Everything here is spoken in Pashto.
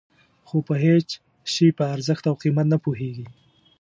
خو په هېڅ شي په ارزښت او قیمت نه پوهېږي.